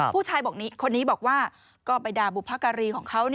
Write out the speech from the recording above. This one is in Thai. ผู้ชายบอกว่าก็ไปด่าบุภกรีของเขา